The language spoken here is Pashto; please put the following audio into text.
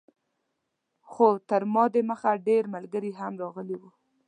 خو تر ما دمخه ډېر ملګري هم راغلي وو.